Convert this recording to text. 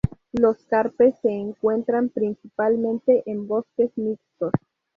Los carpes se encuentran principalmente en bosques mixtos.